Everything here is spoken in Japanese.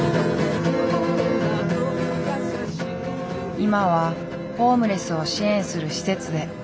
今はホームレスを支援する施設で暮らしている。